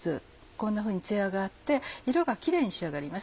こんなふうにツヤがあって色がキレイに仕上がります。